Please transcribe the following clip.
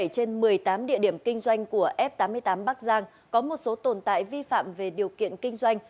tổng số một mươi bảy trên một mươi tám địa điểm kinh doanh của f tám mươi tám bắc giang có một số tồn tại vi phạm về điều kiện kinh doanh